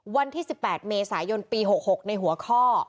วันที่๑๘เมษายนปี๖๖ในหัวข้อ